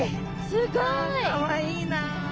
すごい！わかわいいな。